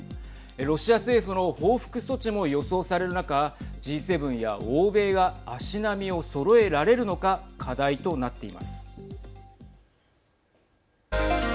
ロシア政府の報復措置も予想される中Ｇ７や欧米が足並みをそろえられるのか課題となっています。